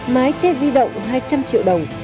mái che di động hai trăm linh triệu đồng